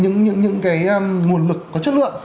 những cái nguồn lực có chất lượng